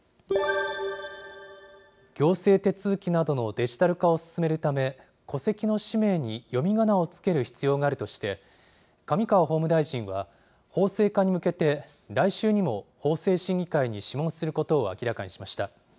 行政手続きなどのデジタル化を進めるため、戸籍の氏名に読みがなを付ける必要があるとして、上川法務大臣は、法制化に向けて来週にも法制審議会に諮問することを明らかにしました。